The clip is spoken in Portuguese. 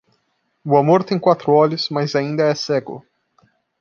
O amor tem quatro olhos, mas ainda é cego.